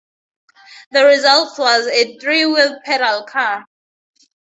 The result was a three-wheel pedal car.